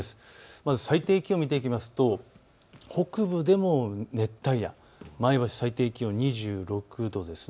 まず最低気温を見ていくと北部でも熱帯夜、前橋、最低気温２６度です。